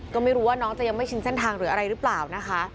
ก็ไม่รู้ว่าน้องจะยังไม่ชินเส้นทางหรืออะไรหรือเปล่านะคะ